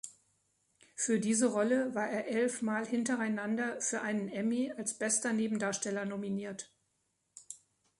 Für diese Rolle war er elfmal hintereinander für einen Emmy als bester Nebendarsteller nominiert.